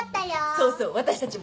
そうそう私たちも。